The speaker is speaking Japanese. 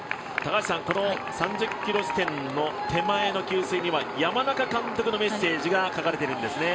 この３０ｋｍ地点の手前の給水には山中監督のメッセージが書かれているんですね。